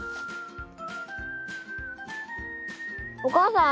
お母さん。